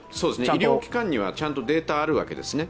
医療機関にはちゃんとデータがあるわけですね。